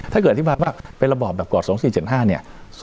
ถ้าเกิดอธิบายว่าเป็นระบอบแบบกรอบ๒๔๗๕เนี่ย